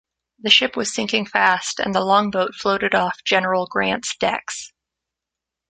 The ship was sinking fast and the long boat floated off "General Grant"s decks.